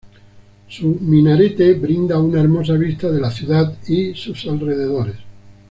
Su minarete brinda una hermosa vista de la ciudad y sus alrededores.